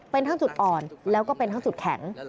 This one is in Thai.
เป็นทั้งจุดอ่อนแล้วก็เป็นทั้งจุดแข็ง